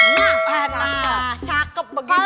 nah cakep begitu tuh